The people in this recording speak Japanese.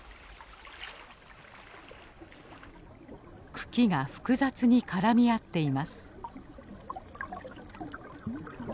茎が複雑に絡み合っています。